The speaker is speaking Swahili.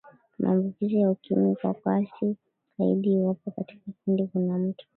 maambukizi ya ukimwi kwa kasi zaida iwapo katika kundi kuna mtu